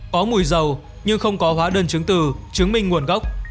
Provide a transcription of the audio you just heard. có mùi dầu nhưng không có hóa đơn chứng từ chứng minh nguồn gốc